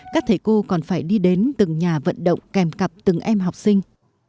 các thầy cô còn phải đi đến từng nhà vận động kèm cặp từng em học sinh